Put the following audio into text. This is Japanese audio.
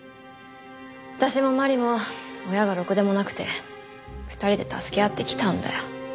私も麻里も親がろくでもなくて２人で助け合ってきたんだよ。